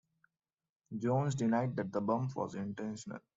Jones denied that the bump was intentional.